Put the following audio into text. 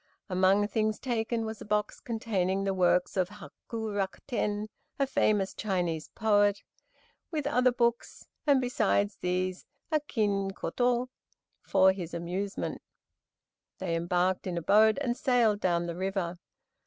Among things taken, was a box containing the works of Hak rak ten (a famous Chinese poet), with other books, and besides these a kin koto for his amusement. They embarked in a boat and sailed down the river.